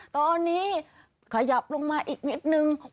ตอนนี้ขยับลงมาอีกนิดนึง